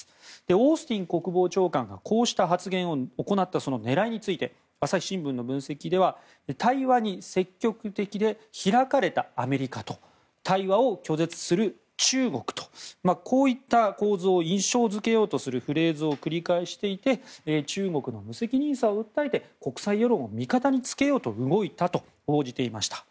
オースティン国防長官がこうした発言を行ったその狙いについて朝日新聞の分析では対話に積極的で開かれたアメリカと対話を拒絶する中国とこういった構図を印象付けようとするフレーズを繰り返していて中国の無責任さを訴えて国際世論を味方につけようと動いたと報じていました。